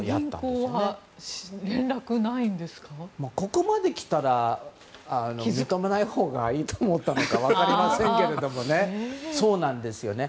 ここまできたら認めないほうがいいと思ったのか分かりませんけどね。